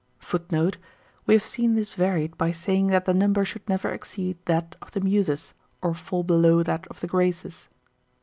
[Footnote: We have seen this varied by saying that the number should never exceed that of the Muses or fall below that of the Graces.